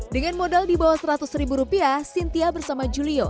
dengan modal di bawah seratus ribu rupiah sintia bersama julio